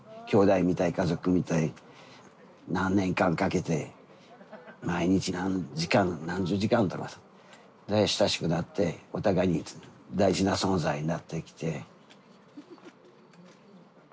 きょうだいみたい家族みたい何年間かけて毎日何時間何十時間とかさで親しくなってお互いに大事な存在になってきて。